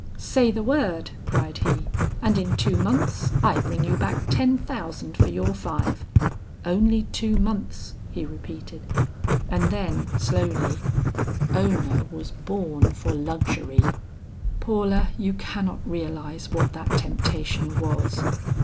'Say the word,' cried he, 'and in two months I bring you back ten thousand for your five. Only two months,' he repeated, and then slowly, 'Ona was born for luxury.' "Paula, you cannot realize what that temptation was.